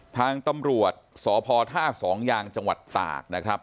ทางตำรวจสพท่าสองยางจังหวัดตากนะครับ